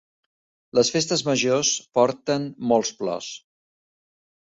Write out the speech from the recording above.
Les festes majors porten molts plors.